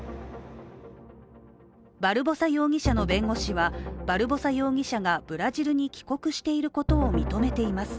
バルボサ容疑者の弁護士はバルボサ容疑者がブラジルに帰国していることを認めています。